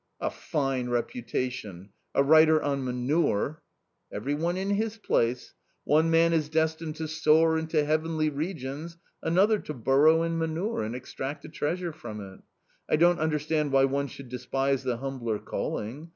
" A fine reputation ; a writer on manure." \" Every one in his place ; one man is destined to soar into 7 Jieavenly regions, another to burrow in manure and extract *> a treasure from it. I don't understand why one should ^ .(despise the humbler calling